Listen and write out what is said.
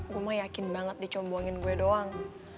gue mah yakin banget dicombongin gue doang